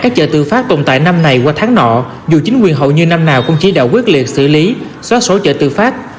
các chợ tự phát tồn tại năm này qua tháng nọ dù chính quyền hầu như năm nào cũng chỉ đạo quyết liệt xử lý xóa sổ chợ tự phát